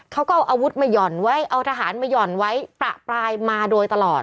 เขาก็เอาอาวุธมาหย่อนไว้เอาทหารมาหย่อนไว้ประปรายมาโดยตลอด